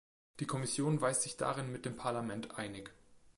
Die Kommission weiß sich darin mit dem Parlament einig.